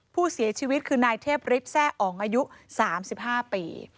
ผู้เสียชีวิตคือนายเทพฤทธิ์แซ่อองอายุสามสิบห้าปี